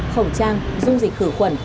khẩu trang du dịch khử khuẩn